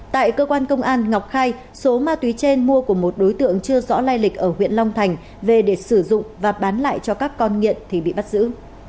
tại cơ quan công an ngọc khai số ma túy trên mua của một đối tượng chưa rõ lai lịch ở huyện long thành về để sử dụng và bán lại cho các con nghiện thì bị bắt giữ